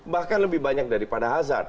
bahkan lebih banyak daripada hazard